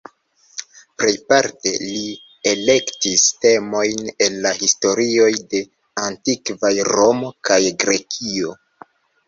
Plejparte li elektis temojn el la historioj de antikvaj Romo kaj Grekio.